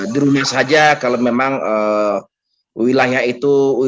dirunya saja kalau memang wilayah itu